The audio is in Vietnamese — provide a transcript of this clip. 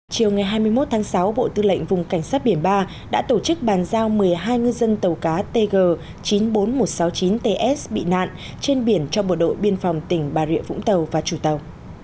chiều ngày hai mươi một tháng sáu bộ tư lệnh vùng cảnh sát biển ba đã tổ chức bàn giao một mươi hai ngư dân tàu cá tg chín mươi bốn nghìn một trăm sáu mươi chín ts bị nạn trên biển cho bộ đội biên phòng tỉnh bà rịa vũng tàu và chủ tàu